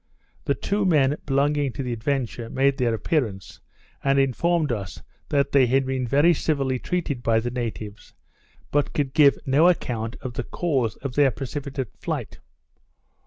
The two men belonging to the Adventure made their appearance, and informed us that they had been very civilly treated by the natives, but could give no account of the cause of their precipitate flight.